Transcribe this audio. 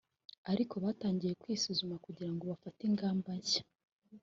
ariko batangiye kwisuzuma kugira ngo bafate ingamba nshya